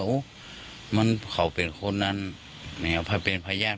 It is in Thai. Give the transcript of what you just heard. ยังเหมือนเกิ้งเห็นน่ะเหมือนเกิ้งเห็น